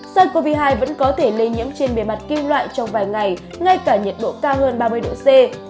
sars cov hai vẫn có thể lây nhiễm trên bề mặt kim loại trong vài ngày ngay cả nhiệt độ cao hơn ba mươi độ c